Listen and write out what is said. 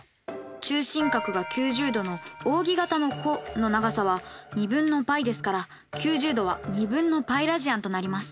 中心角が９０°のおうぎ形の弧の長さは２分のπですから９０°は２分のπラジアンとなります。